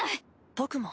僕も。